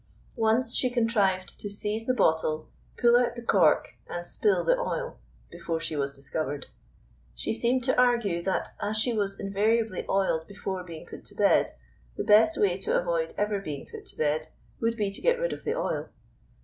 Once she contrived to seize the bottle, pull out the cork, and spill the oil before she was discovered. She seemed to argue that as she was invariably oiled before being put to bed, the best way to avoid ever being put to bed would be to get rid of the oil.